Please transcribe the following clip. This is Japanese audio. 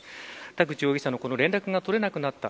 田口容疑者の連絡が取れなくなった。